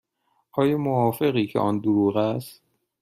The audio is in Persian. آیا موافقی که آن دروغ است؟